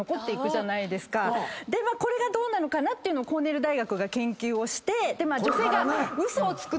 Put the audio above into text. これがどうなのかなっていうのをコーネル大学が研究をして。